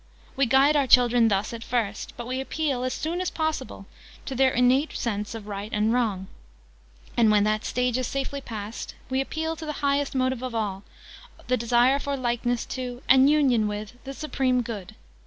We guide our children thus, at first: but we appeal, as soon as possible, to their innate sense of Right and Wrong: and, when that stage is safely past, we appeal to the highest motive of all, the desire for likeness to, and union with, the Supreme Good.